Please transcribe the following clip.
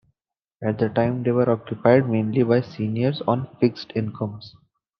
At the time they were occupied mainly by seniors on fixed incomes.